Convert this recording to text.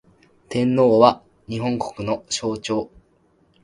天皇は、日本国の象徴